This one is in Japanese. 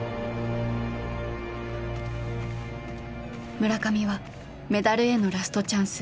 村上はメダルへのラストチャンス